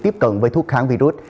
tiếp cận với thuốc kháng virus